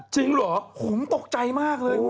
จริงหรอโหโอ้ตกใจมากเลย